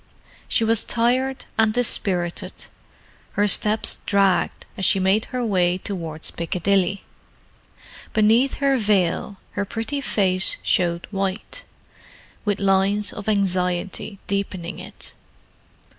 She was tired and dispirited; her steps dragged as she made her way towards Piccadilly. Beneath her veil her pretty face showed white, with lines of anxiety deepening it.